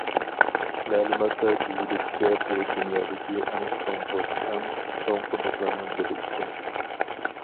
مەلۇماتتا دېيىلىشىچە، بۇ دۇنيادىكى ئەڭ چوڭقۇر، ئەڭ چوڭ قۇدۇقلارنىڭ بىرى ئىكەن.